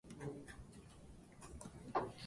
北海道釧路町